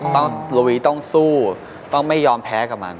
ลุยต้องสู้ต้องไม่ยอมแพ้กับมัน